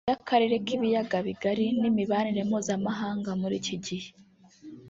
iy’Akarere k’Ibiyagabigari n’imibanire mpuzamahanga muri iki gihe